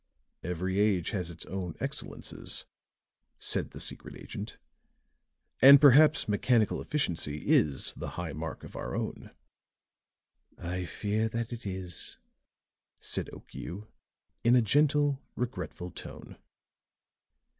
"Every age has its own excellences," said the secret agent, "and perhaps mechanical efficiency is the high mark of our own." "I fear that it is," said Okiu, in a gentle, regretful tone.